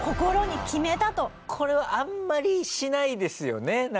これはあんまりしないですよね。